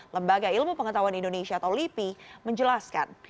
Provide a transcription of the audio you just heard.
lembaga ilmu pengetahuan indonesia atau lipi menjelaskan